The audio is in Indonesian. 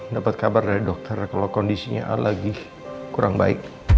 dapet kabar dari dokter kalo kondisinya al lagi kurang baik